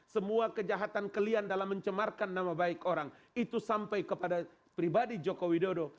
semua kejahatan kalian dalam mencemarkan nama baik orang itu sampai kepada pribadi joko widodo